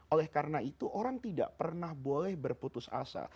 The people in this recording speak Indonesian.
oleh karena itu orang tidak pernah boleh berputus asa